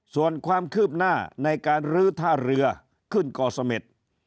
ส่วนความคืบหน้าในการลื้อท่าเรือขึ้นก่อเสม็ด